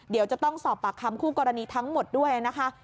เดี๋ยวจะต้องสอบปากคำคู่กรณีทั้งหมดด้วยนะคะ